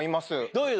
どういうの？